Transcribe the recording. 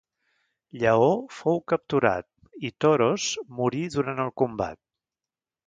Lleó fou capturat i Toros morí durant el combat.